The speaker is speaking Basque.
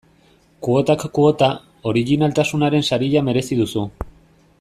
Kuotak kuota, orijinaltasunaren saria merezi duzu.